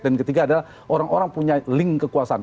ketiga adalah orang orang punya link kekuasaan